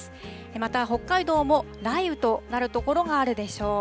また北海道も雷雨となる所があるでしょう。